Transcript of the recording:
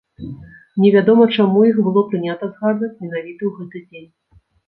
Невядома чаму іх было прынята згадваць менавіта ў гэты дзень.